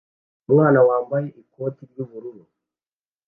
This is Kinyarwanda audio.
Umwana wambaye ikoti ry'ubururu